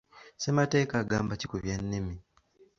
Ssemateeka agamba ki ku by'ennimi?